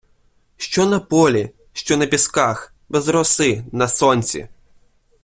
Що на полі, що на пісках, без роси, на сонці?